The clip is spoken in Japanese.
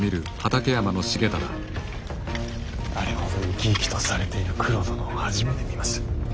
あれほど生き生きとされている九郎殿を初めて見ました。